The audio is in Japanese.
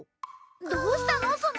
どうしたの？